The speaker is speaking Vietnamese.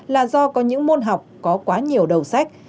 là do có những môn học có quá nhiều đầu sách